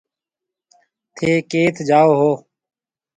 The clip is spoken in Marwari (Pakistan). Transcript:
ٿَي ڪيٿ جاو هون۔